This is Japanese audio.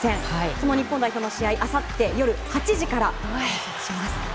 その日本代表の試合はあさって夜８時からです。